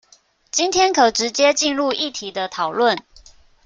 今天可直接進入議題的討論